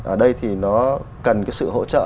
ở đây thì nó cần sự hỗ trợ